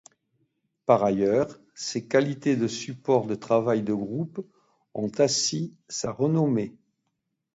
Par ailleurs, ses qualités de support de travail de groupe ont assis sa renommée.